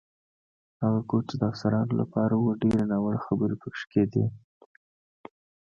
هغه کور چې د افسرانو لپاره و، ډېرې ناوړه خبرې پکې کېدې.